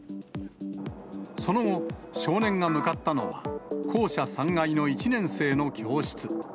その後、少年が向かったのは、校舎３階の１年生の教室。